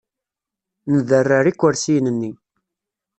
Nderrer ikersiyen-nni.